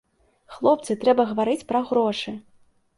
Хлопцы, трэба гаварыць пра грошы!